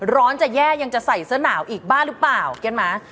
ร้อนจะแย่ยังจะใส่เสื้อหนาวอีกบ้างหรือเปล่าใช่ไหม